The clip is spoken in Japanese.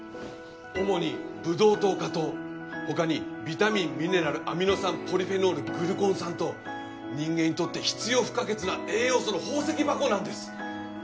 主にブドウ糖果糖他にビタミンミネラルアミノ酸ポリフェノールグルコン酸と人間にとって必要不可欠な栄養素の宝石箱なんです。